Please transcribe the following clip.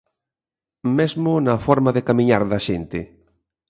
Mesmo na forma de camiñar da xente.